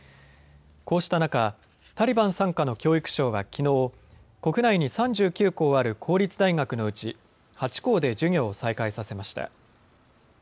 こうした中、タリバン傘下の教育省はきのう、国内に３９校ある公立大学のうち、８校で授業を再開させました。